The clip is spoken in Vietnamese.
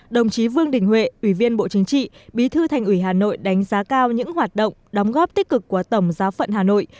đồng chí vương đình huệ ủy viên bộ chính trị bí thư thành ủy hà nội đánh giá cao những hoạt động đóng góp tích cực của tổng giáo phận hà nội